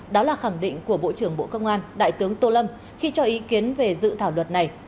đó là khẳng định của bộ trưởng bộ công an đại tướng tô lâm khi cho ý kiến về dự thảo luật này